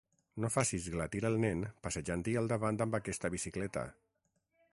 No facis glatir el nen passejant-hi al davant amb aquesta bicicleta.